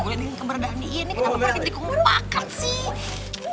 iya ini kenapa kenapa kita dikumpulkan sih